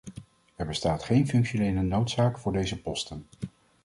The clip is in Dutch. Er bestaat geen functionele noodzaak voor deze posten.